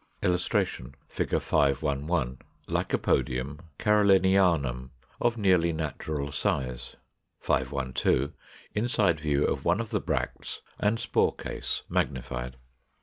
[Illustration: Fig. 511. Lycopodium Carolinianum, of nearly natural size. 512. Inside view of one of the bracts and spore case, magnified.